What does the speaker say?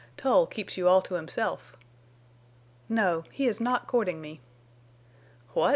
"Tull keeps you all to himself." "No. He is not courting me." "What?